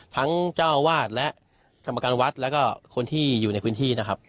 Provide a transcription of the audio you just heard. ทั้งเจ้าวาดและกรรมการวัดแล้วก็คนที่อยู่ในพื้นที่นะครับ